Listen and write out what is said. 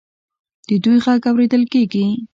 د دوی غږ اوریدل کیږي.